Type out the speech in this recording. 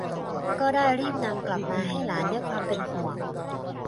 ก็ได้รีบนำกลับมาให้หลานด้วยความเป็นห่วง